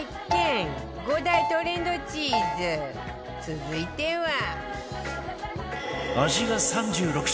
続いては